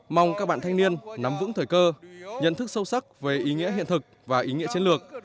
mong các bạn thanh niên nắm vững thời cơ nhận thức sâu sắc về ý nghĩa hiện thực và ý nghĩa chiến lược